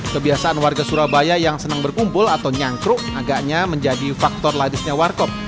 kebiasaan warga surabaya yang senang berkumpul atau nyangkruk agaknya menjadi faktor ladisnya warkop